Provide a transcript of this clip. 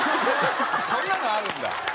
そんなのあるんだ。